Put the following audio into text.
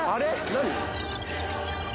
何？